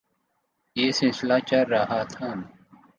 یہ سلسلہ چل رہا تھا۔